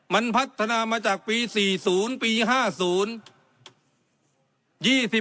มันพัฒนามาจากปี๔๐ปี๕๐